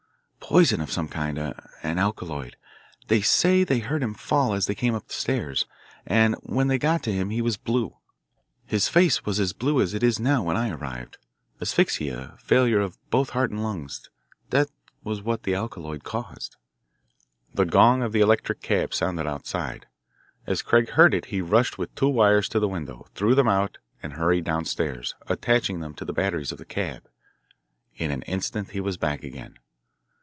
"Poison of some kind an alkaloid. They say they heard him fall as they came up stairs, and when they got to him he was blue. His face was as blue as it is now when I arrived. Asphyxia, failure of both heart and lungs, that was what the alkaloid caused." The gong of the electric cab sounded outside. As Craig heard it he rushed with two wires to the window, threw them out, and hurried downstairs, attaching them to the batteries of the cab. In an instant he was back again.